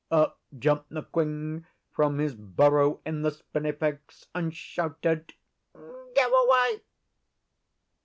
Up jumped Nquing from his burrow in the spinifex and shouted, 'Go away!